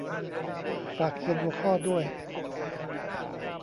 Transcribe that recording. ฝากเขียนหัวข้อด้วย